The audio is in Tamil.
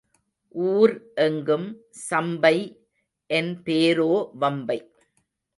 ஊர் எங்கும் சம்பை என் பேரோ வம்பை.